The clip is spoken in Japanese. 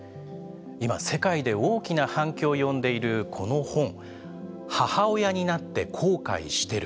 今、世界で大きな反響を呼んでいる、この本「母親になって後悔してる」。